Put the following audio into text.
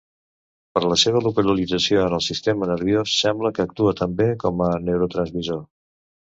Per la seva localització en el sistema nerviós sembla que actua també com a neurotransmissor.